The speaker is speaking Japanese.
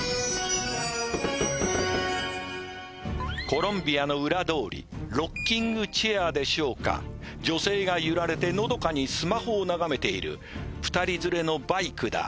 コロンビアの裏通りロッキングチェアでしょうか女性が揺られてのどかにスマホを眺めている２人連れのバイクだ